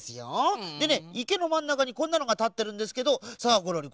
でねいけのまんなかにこんなのがたってるんですけどさあゴロリ